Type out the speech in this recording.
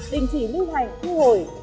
đình chỉ lưu hành thu hồi